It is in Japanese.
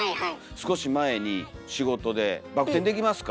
少し前に仕事で「バク転できますか？」